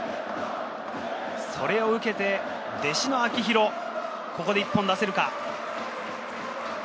それを受けて弟子の秋広、ここで１本出せるか？